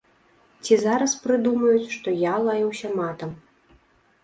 Ці зараз прыдумаюць, што я лаяўся матам.